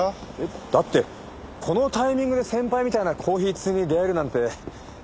だってこのタイミングで先輩みたいなコーヒー通に出会えるなんて。